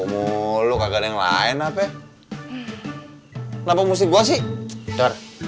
mulu kaget yang lain apa apa musik gua sih